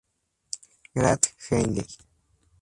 Grant Hanley